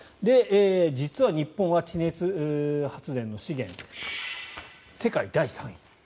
実は日本は地熱発電の資源世界第３位。